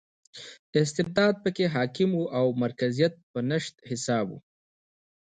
استبداد په کې حاکم او مرکزیت په نشت حساب و.